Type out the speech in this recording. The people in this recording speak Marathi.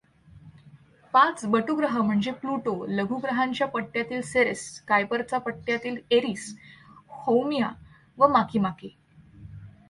पाच बटुग्रह म्हणजे प्लूटो, लघुग्रहांच्या पट्ट्यातील सेरेस, कायपरचा पट्ट्यातील एरिस, हौमिआ व माकीमाकी.